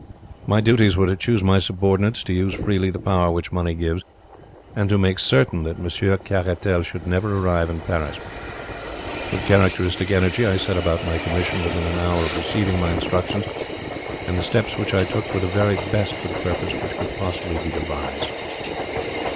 "My duties were to choose my subordinates, to use freely the power which money gives, and to make certain that Monsieur Caratal should never arrive in Paris. With characteristic energy I set about my commission within an hour of receiving my instructions, and the steps which I took were the very best for the purpose which could possibly be devised.